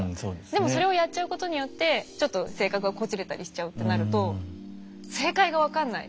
でもそれをやっちゃうことによってちょっと性格がこじれたりしちゃうってなると正解が分かんない。